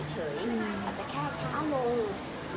อาจจะแค่ช้าลงหรืออักหิน